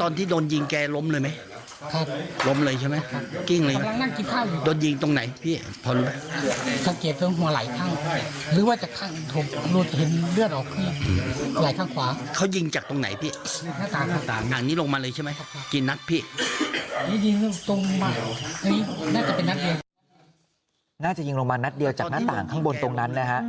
น่าจะยิงลงมานัดเดียวจากหน้าต่างข้างบนตรงนั้นนะฮะ